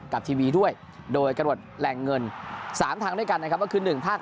ทีวีด้วยโดยกระหนดแหล่งเงิน๓ทางด้วยกันนะครับก็คือ๑ภาค